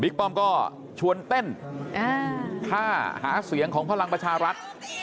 ป้อมก็ชวนเต้นท่าหาเสียงของพลังประชารัฐ